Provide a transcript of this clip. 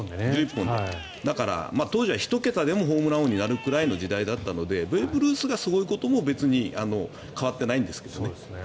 だから、当時は１桁でもホームラン王になるくらいの時代だったのでベーブ・ルースがすごいことも別に変わっていないんですけどね。